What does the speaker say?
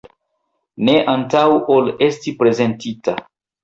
Ne antaŭ ol esti prezentita.